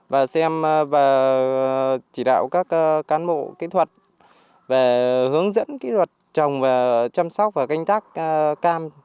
và xem và chỉ đạo các cán bộ kỹ thuật về hướng dẫn kỹ thuật trồng và chăm sóc và canh tác cam